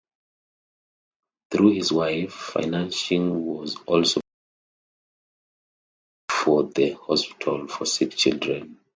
Through his wife, financing was also provided for the Hospital for Sick Children.